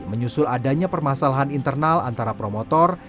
menyusul adanya permasalahan internal antara promotor